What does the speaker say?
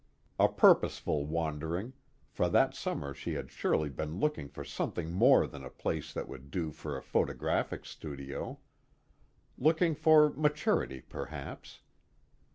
A purposeful wandering, for that summer she had surely been looking for something more than a place that would do for a photographic studio; looking for maturity perhaps.